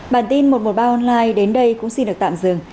bản tin một trăm một mươi ba online đến đây cũng xin được tạm dừng